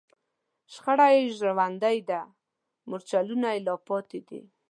شخړه یې ژوندۍ ده، مورچلونه یې لا پاتې دي